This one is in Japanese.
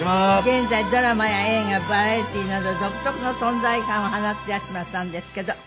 現在ドラマや映画バラエティーなど独特の存在感を放つ八嶋さんですけど。